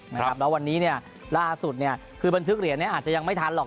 แล้ววันนี้ล่าสุดคือบันทึกเหรียญอาจจะยังไม่ทันหรอก